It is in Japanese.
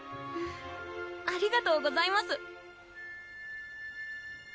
ありがとうございます